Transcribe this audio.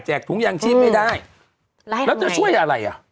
แจกถุงยางชิ้นไม่ได้แล้วจะช่วยอะไร